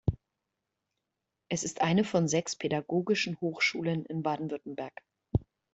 Es ist eine von sechs Pädagogischen Hochschulen in Baden-Württemberg.